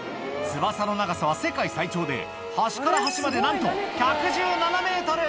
翼の長さは世界最長で、端から端までなんと、１１７メートル。